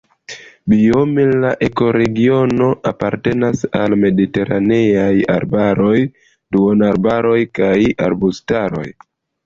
Biome la ekoregiono apartenas al mediteraneaj arbaroj, duonarbaroj kaj arbustaroj.